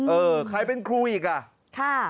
เออใครเป็นครูอีกคะ